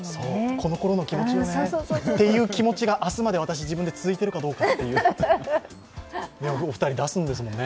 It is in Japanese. このごろの気持ちをね、という気持ちが明日まで私、自分で続いているかどうかという。